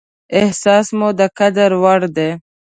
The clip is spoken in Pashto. احساس مو د قدر وړ دى.